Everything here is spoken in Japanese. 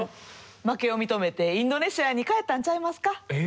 負けを認めてインドネシアに帰ったんちゃいますか？